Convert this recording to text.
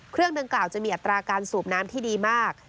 เครื่องดังกล่าวจะมีอัตราการสูบน้ำที่ดีมาก